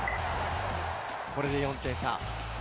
これで４点差。